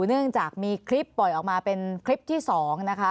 เนื่องจากมีคลิปปล่อยออกมาเป็นคลิปที่๒นะคะ